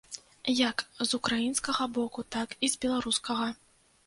Як з украінскага боку, так і з беларускага.